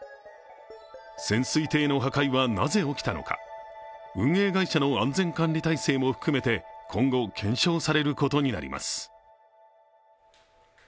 潜水艇の破壊はなぜ起きたのか、運営会社の安全管理態勢も含めて今後、検証されることになります。